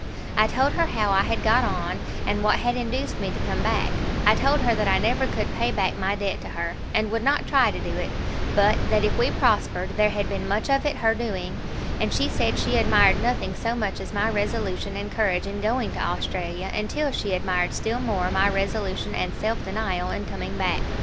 I told her how I had got on, and what had induced me to come back; I told her that I never could pay back my debt to her, and would not try to do it, but that if we prospered, there had been much of it her doing; and she said she admired nothing so much as my resolution and courage in going to Australia, until she admired still more my resolution and self denial in coming back.